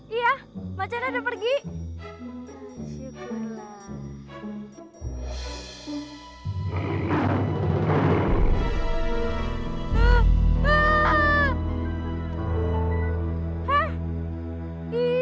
iya macan sudah pergi